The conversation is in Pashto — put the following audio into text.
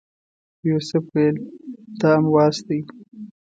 یوسف ویل دا امواس دی.